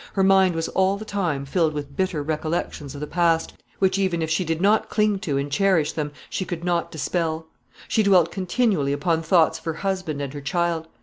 Her mind was all the time filled with bitter recollections of the past, which, even if she did not cling to and cherish them, she could not dispel. She dwelt continually upon thoughts of her husband and her child.